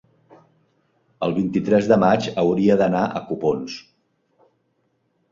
el vint-i-tres de maig hauria d'anar a Copons.